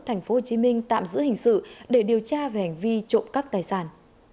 tp hcm tạm giữ hình sự để điều tra về hành vi trộm cắp tài sản